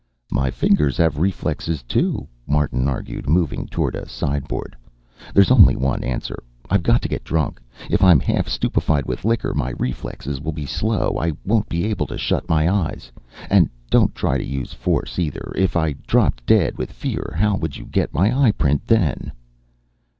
"My fingers have reflexes too," Martin argued, moving toward a sideboard. "There's only one answer. I've got to get drunk. If I'm half stupefied with liquor, my reflexes will be so slow I won't be able to shut my eyes. And don't try to use force, either. If I dropped dead with fear, how could you get my eyeprint then?"